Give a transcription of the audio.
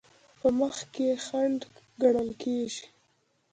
په مخ کې خنډ ګڼل کیږي.